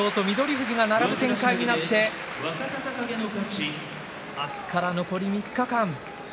富士が並ぶ展開になって明日から残り３日間。